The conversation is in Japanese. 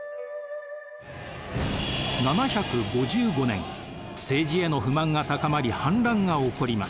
７５５年政治への不満が高まり反乱が起こります。